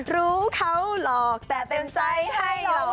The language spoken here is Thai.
รู้เขาหลอกแต่เต็มใจให้เรา